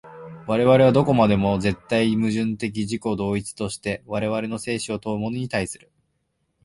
我々はどこまでも絶対矛盾的自己同一として我々の生死を問うものに対する。